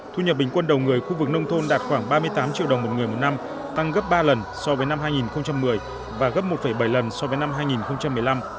thu nhập bình quân đầu người khu vực nông thôn đạt khoảng ba mươi tám triệu đồng một người một năm tăng gấp ba lần so với năm hai nghìn một mươi và gấp một bảy lần so với năm hai nghìn một mươi năm